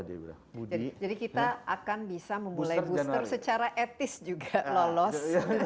jadi kita akan bisa memulai booster secara etis juga lolos